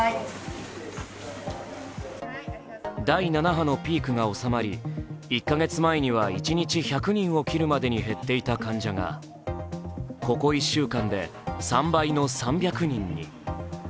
第７波のピークが収まり、１か月前には１日１００人を切るまでに減っていた患者がここ１週間で３倍の３００人に。